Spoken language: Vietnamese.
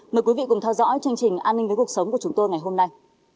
mời quý vị cùng theo dõi chương trình an ninh với cuộc sống của chúng tôi ngày hôm nay